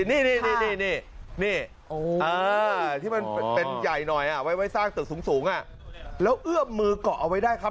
นี่ที่มันเป็นใหญ่หน่อยไว้สร้างตึกสูงแล้วเอื้อมมือเกาะเอาไว้ได้ครับ